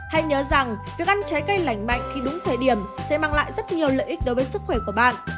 hãy nhớ rằng việc ăn trái cây lạnh mạnh khi đúng thời điểm sẽ mang lại rất nhiều lợi ích đối với sức khỏe của bạn